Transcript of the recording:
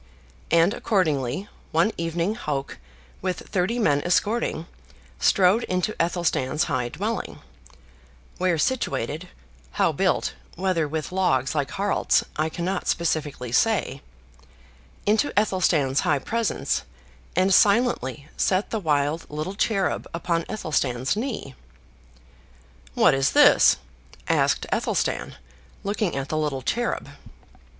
And accordingly, one evening, Hauk, with thirty men escorting, strode into Athelstan's high dwelling (where situated, how built, whether with logs like Harald's, I cannot specifically say), into Athelstan's high presence, and silently set the wild little cherub upon Athelstan's knee. "What is this?" asked Athelstan, looking at the little cherub.